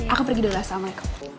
aku pergi dulu assalamualaikum